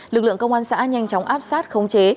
lực lượng công an xã nhanh chóng áp sát khống chế